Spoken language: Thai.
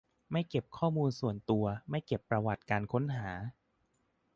ไม่เก็บข้อมูลส่วนตัว ไม่เก็บประวัติการค้นหา